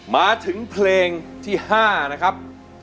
มาถึงเพลงที่๕นะครับ